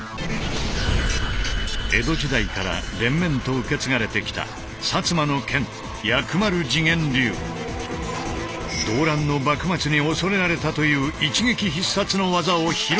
江戸時代から連綿と受け継がれてきた動乱の幕末に恐れられたという一撃必殺の技を披露してもらおう。